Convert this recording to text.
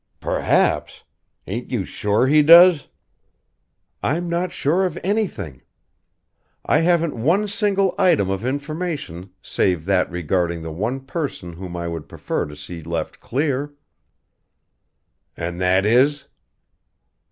"Perhaps. Ain't you sure he does?" "I'm not sure of anything. I haven't one single item of information save that regarding the one person whom I would prefer to see left clear." "And that is?"